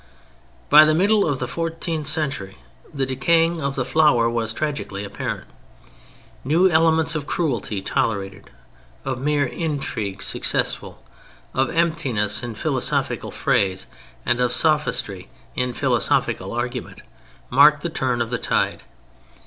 By the middle of the fourteenth century the decaying of the flower was tragically apparent. New elements of cruelty tolerated, of mere intrigue successful, of emptiness in philosophical phrase and of sophistry in philosophical argument, marked the turn of the tide.